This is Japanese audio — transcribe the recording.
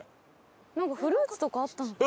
なんかフルーツとかあったのかな？